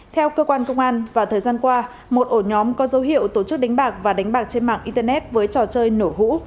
theo cơ quan công an vào thời gian qua một ổ nhóm có dấu hiệu tổ chức đánh bạc và đánh bạc trên mạng internet với trò chơi nổ hũ